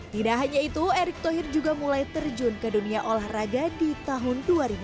tidak hanya itu erick thohir juga mulai terjun ke dunia olahraga di tahun dua ribu dua puluh